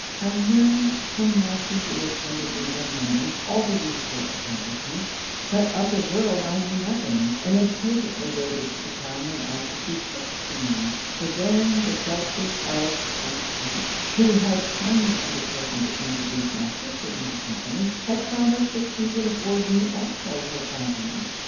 I learned, from masters who attended me from London, all the usual accomplishments; but of the world I knew nothing, and impatiently waited for the time when I should be sixteen; for then the Dutchess of B , who had kindly undertaken to introduce my sister into company, had promised that she would afford me also her countenance.